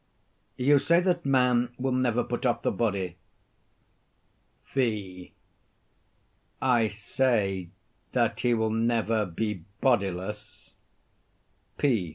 You say that man will never put off the body? V. I say that he will never be bodiless. _P.